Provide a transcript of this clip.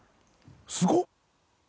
すごっ！